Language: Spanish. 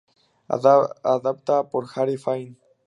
Adaptada por Harry Fine.